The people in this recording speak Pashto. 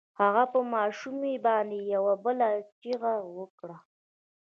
هغه په ماشومې باندې يوه بله چيغه وکړه.